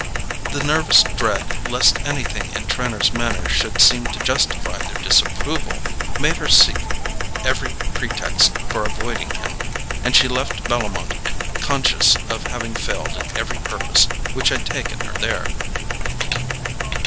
The nervous dread lest anything in Trenor's manner should seem to justify their disapproval made her seek every pretext for avoiding him, and she left Bellomont conscious of having failed in every purpose which had taken her there.